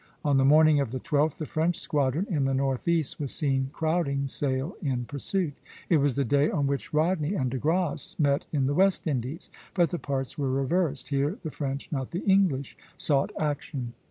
On the morning of the 12th the French squadron in the northeast was seen crowding sail in pursuit. It was the day on which Rodney and De Grasse met in the West Indies, but the parts were reversed; here the French, not the English, sought action.